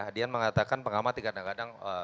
adian mengatakan pengamati kadang kadang